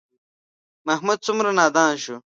محمود څومره نادان شو.